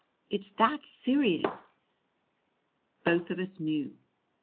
It's that Syrian!" Both of us knew.